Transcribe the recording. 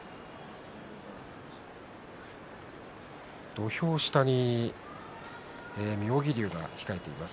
土俵下に妙義龍が控えています。